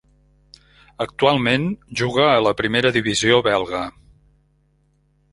Actualment juga a la primera divisió belga.